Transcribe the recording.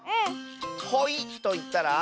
「ほい」といったら？